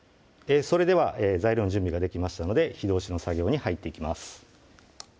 それでは材料の準備ができましたので火通しの作業に入っていきます